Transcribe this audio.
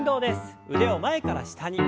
腕を前から下に。